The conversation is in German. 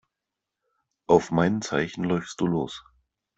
Auf mein Zeichen läufst du los.